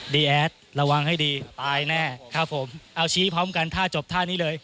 แอดระวังให้ดีตายแน่ครับผมเอาชี้พร้อมกันท่าจบท่านี้เลย